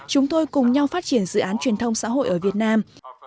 chúng tôi cùng nhau phát triển dự án truyền thông xã hội ở việt nam